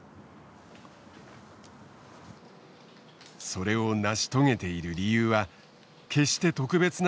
それを成し遂げている理由は決して特別なことではないと師匠の杉本は語る。